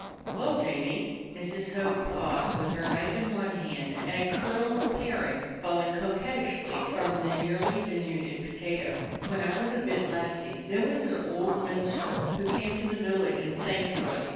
"Well, Jamie —" Mrs. Hogg paused with her knife in one hand, and a curl of paring falling coquettishly from the nearly denuded potato. "When I was a bit lassie, there was an old minstrel who came to the village and sang to us.